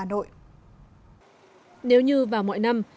nếu như vào mọi năm tổng thống đã gửi điện chia buồn tới tổng thống